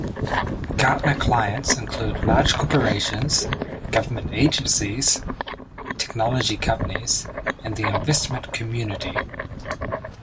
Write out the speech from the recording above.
Gartner clients include large corporations, government agencies, technology companies and the investment community.